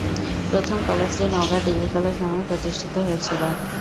প্রথমে কলেজটি "Naogaon degree college" নামে প্রতিষ্ঠিত হয়েছিল।